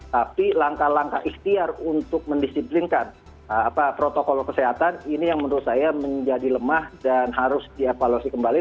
tapi langkah langkah ikhtiar untuk mendisiplinkan protokol kesehatan ini yang menurut saya menjadi lemah dan harus dievaluasi kembali